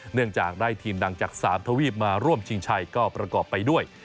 เนื่องจากได้ทีมดังจาก๓ทวีปมาร่วมชิงชัยก็ประกอบไปด้วย